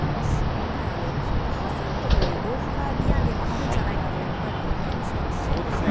今回、１％という大幅利上げもあるんじゃないかという声もあそうですね。